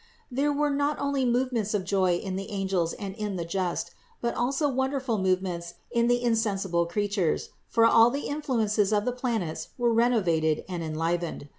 There were not only movements of joy in the angels and in the just, but also wonderful movements in the insensible creatures; for all the influences of the planets were renovated and enlivened.